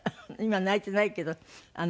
今泣いてないけど。